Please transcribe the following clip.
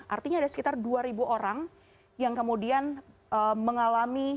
artinya ada sekitar dua orang yang kemudian mengalami